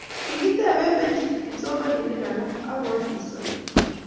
kikiteben benchit kipsomaninik alak aku amisot